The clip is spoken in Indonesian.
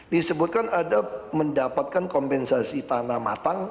disebutkan ada mendapatkan kompensasi tanah matang